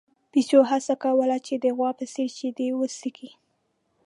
پيشو هڅه کوله چې د غوا په څېر شیدې وڅښي.